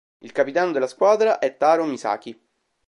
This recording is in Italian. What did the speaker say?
Il capitano della squadra è Taro Misaki.